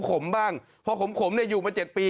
ขมบ้างเพราะขมอยู่มา๗ปี